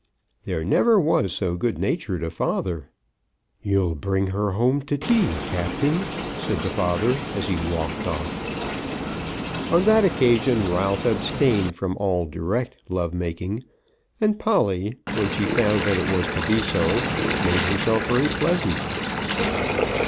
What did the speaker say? There never was so good natured a father! "You'll bring her home to tea, Captain," said the father, as he walked off. On that occasion, Ralph abstained from all direct love making, and Polly, when she found that it was to be so, made herself very pleasant.